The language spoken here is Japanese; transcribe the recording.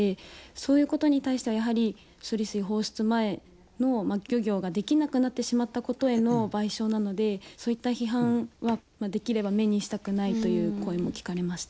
そういうことに対しては、やはり処理水放出前の漁業ができなくなってしまったことへの賠償なので、そういった批判はできれば目にしたくないという声も聞かれました。